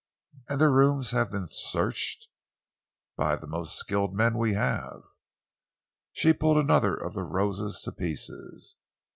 "And their rooms have been searched?" "By the most skilled men we have." She pulled another of the roses to pieces.